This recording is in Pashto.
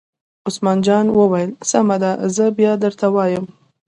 عثمان جان وویل: سمه ده زه بیا درته وایم.